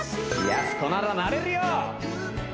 やす子ならなれるよ！